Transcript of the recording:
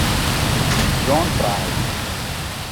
John Price